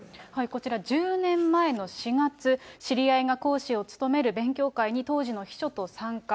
こちら、１０年前の４月、知り合いが講師を務める勉強会に当時の秘書と参加。